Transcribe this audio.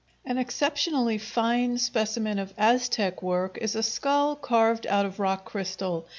An exceptionally fine specimen of Aztec work is a skull carved out of rock crystal.